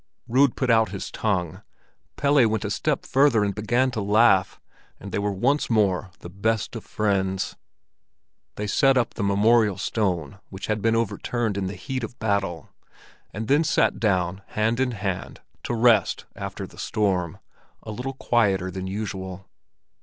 Rud put out his tongue, Pelle went a step further and began to laugh, and they were once more the best of friends. They set up the memorial stone, which had been overturned in the heat of battle, and then sat down hand in hand, to rest after the storm, a little quieter than usual.